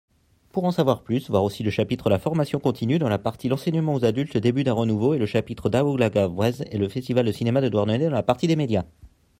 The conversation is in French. Pour en savoir plus, voir aussi le chapitre La formation continue dans la partie L’enseignement aux adultes : le début d’un renouveau ? et le chapitre Daoulagad Breizh et le Festival de cinéma de Douarnenez dans la partie des Médias.